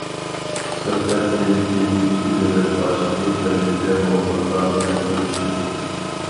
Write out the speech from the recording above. سۆھبەتتىن كېيىن ئىككى دۆلەت باشلىقى بىرلىكتە مۇخبىرلار بىلەن كۆرۈشتى.